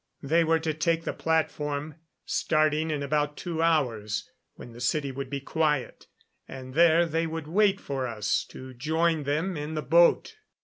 They were to take the platform starting in about two hours, when the city would be quiet and there they would wait for us to join them in the boat.